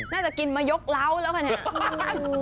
น่าจะกินมายกเล้าแล้วค่ะเนี่ย